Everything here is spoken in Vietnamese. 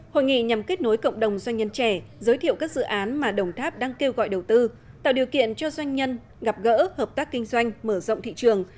hội nghị nhằm kết nối cộng đồng doanh nhân trẻ giới thiệu các dự án mà đồng tháp đang kêu gọi đầu tư tạo điều kiện cho doanh nhân gặp gỡ hợp tác kinh doanh mở rộng thị trường